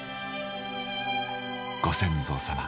ご先祖様